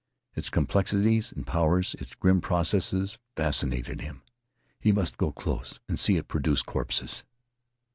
Its complexities and powers, its grim processes, fascinated him. He must go close and see it produce corpses.